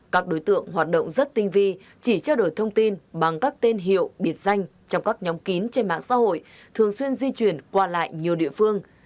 các đối tượng hoạt động rất tinh vi chỉ trao đổi thông tin bằng các tên hiệu biệt danh trong các nhóm kín trên mạng xã hội thường xuyên di chuyển qua lại nhiều địa phương